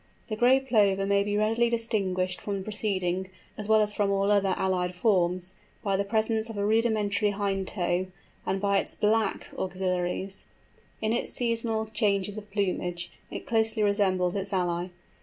The Gray Plover may be readily distinguished from the preceding, as well as from all other allied forms, by the presence of a rudimentary hind toe, and by its black axillaries. In its seasonal changes of plumage it closely resembles its ally.